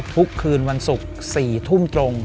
ทุกคืนวันศุกร์๔ทุ่มตรง